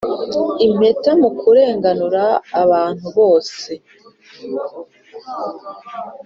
impeta mu kurenganura abantu bose.